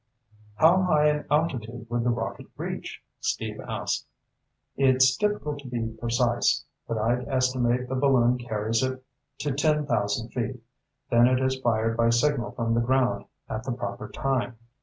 "How high an altitude would the rocket reach?" Steve asked. "It's difficult to be precise, but I'd estimate the balloon carries it to ten thousand feet, then it is fired by signal from the ground at the proper time.